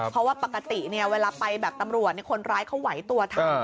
เพราะว่าปกติเวลาไปแบบตำรวจคนร้ายเขาไหวตัวทัน